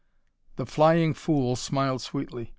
The "Flying Fool" smiled sweetly.